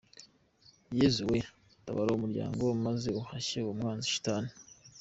Yezu we, tabara uwo muryango maze uhashye uwo mwanzi shitani.